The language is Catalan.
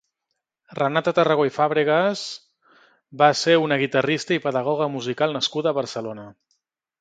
Renata Tarragó i Fàbregas va ser una guitarrista i pedagoga musical nascuda a Barcelona.